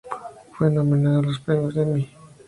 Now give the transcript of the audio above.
Fue nominado a los premios Emmy.